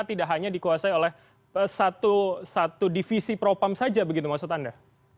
tidak hanya dikuasai oleh satu divisi propam saja begitu maksud anda